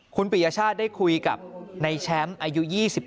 คุณปิยชาติได้คุยกับในแชมป์อายุ๒๗